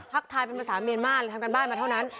พักทายเป็นภาษาเมรม่าทำการบ้านมาเท่านั้น